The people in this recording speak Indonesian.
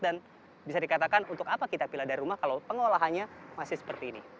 dan bisa dikatakan untuk apa kita pilih dari rumah kalau pengolahannya masih seperti ini